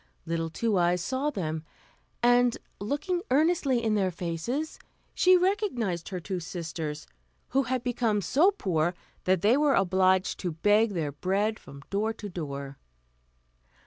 Little Two Eyes saw them, and, looking earnestly in their faces, she recognised her two sisters, who had become so poor that they were obliged to beg their bread from door to door.